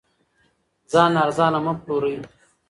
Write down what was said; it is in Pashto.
ځان ارزانه مه پلورئ.